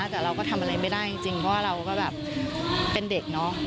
แต่เราก็ทำอะไรไม่ได้จริงเพราะว่าเราก็แบบเป็นเด็กเนอะ